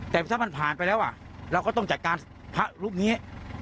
แต่ถ้ามันผ่านไปแล้วเราก็ต้องจัดการพระรูปนี้